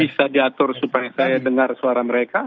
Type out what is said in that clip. bisa diatur supaya saya dengar suara mereka